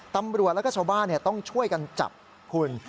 ตำรวจแล้วก็ชาวบ้านต้องช่วยกันจับคุณ